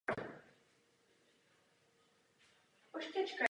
Klavír studoval u Ondřeje Horníka a ve skladbě byl jeho učitelem Zdeněk Fibich.